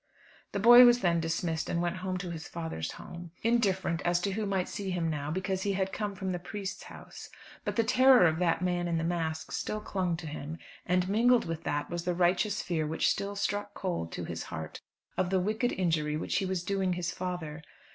The boy was then dismissed, and went home to his father's home, indifferent as to who might see him now, because he had come from the priest's house. But the terror of that man in the mask still clung to him; and mingled with that was the righteous fear, which still struck cold to his heart, of the wicked injury which he was doing his father.